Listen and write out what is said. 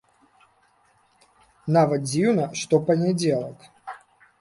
Нават дзіўна, што панядзелак.